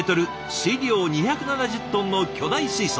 水量２７０トンの巨大水槽。